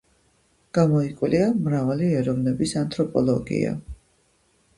გამოიკვლია მრავალი ეროვნების ანთროპოლოგია.